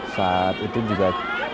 saat itu juga